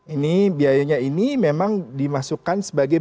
ini biayanya ini memang dimasukkan sebagai